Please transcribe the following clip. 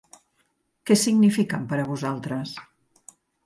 Que signifiquen per a vosaltres?